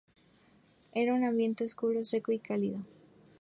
Era un ambiente oscuro, seco y cálido.